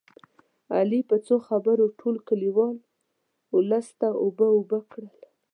علي په څو خبرو ټول کلیوال اولس ته اوبه اوبه کړل